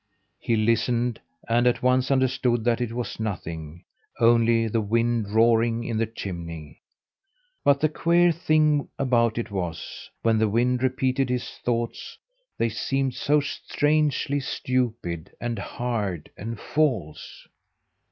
He listened, and at once understood that it was nothing only the wind roaring in the chimney. But the queer thing about it was, when the wind repeated his thoughts, they seemed so strangely stupid and hard and false!